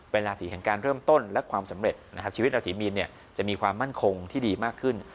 เป็นราศีแห่งการเริ่มต้นและความสำเร็จนะครับชีวิตราศีมีนจะมีความมั่นคงที่ดีมากขึ้น